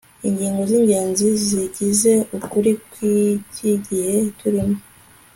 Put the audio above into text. ingingo zingenzi zigize ukuri kwiki gihe turimo